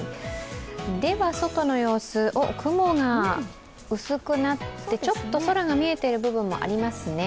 外の様子、雲が薄くなってちょっと空が見えている部分もありますね。